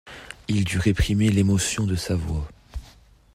Il dut réprimer l'émotion de sa voix.